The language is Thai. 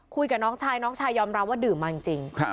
คุยกับน้องชายน้องชายยอมรับว่าดื่มมาจริง